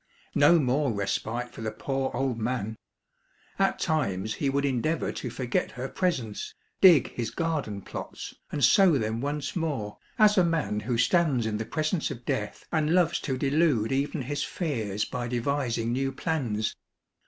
No more respite for the poor old man. At times he would endeavor to forget her presence, dig his garden plots, and sow them once more, as a man who stands in the presence of death, and loves to delude even his fears by devising new plans.